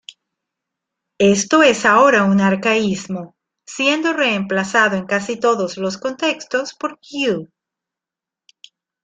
Esto es ahora un arcaísmo, siendo reemplazado en casi todos los contextos por "you".